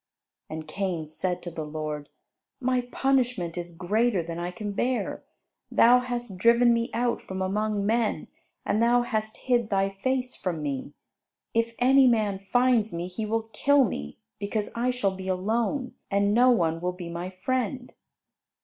And Cain said to the Lord, "My punishment is greater than I can bear. Thou hast driven me out from among men; and thou hast hid thy face from me. If any man finds me he will kill me, because I shall be alone, and no one will be my friend."